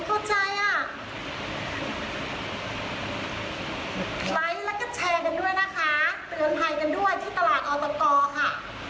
ไลค์แล้วก็แชร์กันด้วยนะคะเตือนภัยกันด้วยที่ตลาดออสตรกอค่ะ